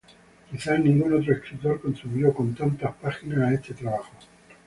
Quizás ningún otro escritor contribuyó tantas páginas a este trabajo.